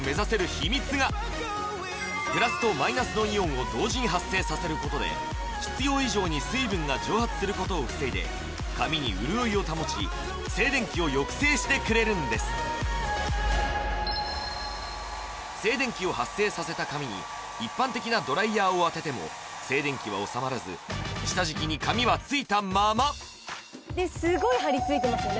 秘密がプラスとマイナスのイオンを同時に発生させることで必要以上に水分が蒸発することを防いで髪に潤いを保ち静電気を抑制してくれるんです静電気を発生させた髪に一般的なドライヤーを当てても静電気はおさまらず下敷きに髪はついたまますごい張りついてますよね